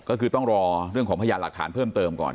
ก็คือต้องรอเรื่องของพยานหลักฐานเพิ่มเติมก่อน